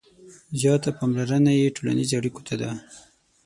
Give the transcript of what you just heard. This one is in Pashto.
• زیاته پاملرنه یې ټولنیزو اړیکو ته ده.